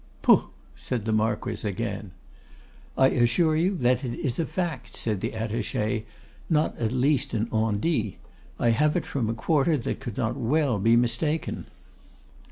'Poh!' said the Marquess again. 'I assure you that it is a fact,' said the Attaché, 'not at least an on dit. I have it from a quarter that could not well be mistaken.